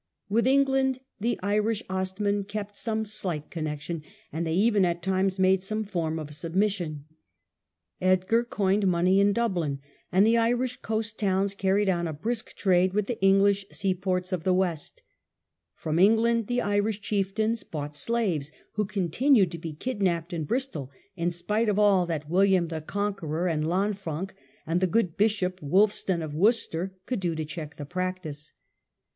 With England the Irish Ostmen kept some slight connection, and they even at times made some form of submission. Edgar coined money in Dublin, and the Irish coast towns carried on a brisk trade with the English seaports of the west From England the Irish chieftains bought slaves, who continued to be kidnapped in Bristol in spite of all that William the Conqueror and Lanfranc, and the good bishop Wulfstan of Worcester, could do to check the practice.